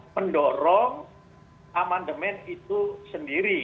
mendorong amandemen itu sendiri